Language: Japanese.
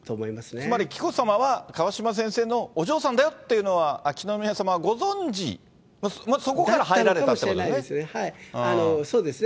つまり紀子さまは川嶋先生のお嬢さんだよっていうのは、秋篠宮さまはご存じ、そこから入られたということですね。